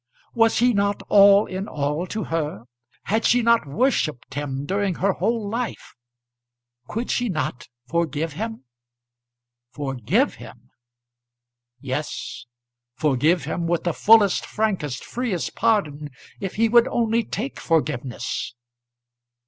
Was he not all in all to her? Had she not worshipped him during her whole life? Could she not forgive him? Forgive him! Yes. Forgive him with the fullest, frankest, freest pardon, if he would only take forgiveness.